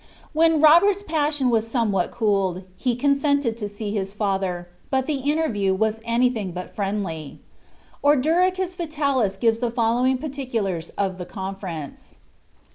When Robert's passion was somewhat cooled, he consented see his father, bnt the interview was anything but friendly. Orderi ti Vitalifl gives the following particulars of the conference.